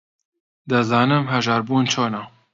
دەزانم ھەژار بوون چۆنە.